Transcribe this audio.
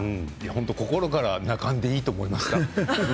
心から泣かんでいいと思いました。